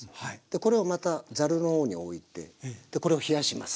これをまたざるの方に置いてこれを冷やします。